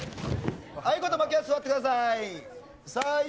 あいこと負けは座ってください。